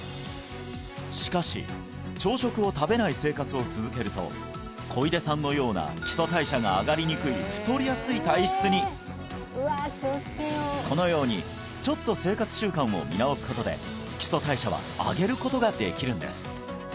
しかし朝食を食べない生活を続けると小出さんのような基礎代謝が上がりにくい太りやすい体質にこのようにちょっと生活習慣を見直すことで基礎代謝は上げることができるんです